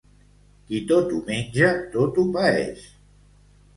Qui tot ho menja tot ho paeix.